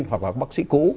hoặc là bác sĩ cũ